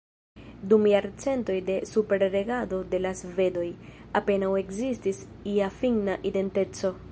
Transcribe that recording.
Dum jarcentoj de superregado de la svedoj, apenaŭ ekzistis ia finna identeco.